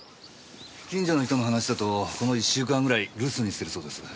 近所の人の話だとこの１週間ぐらい留守にしてるそうです。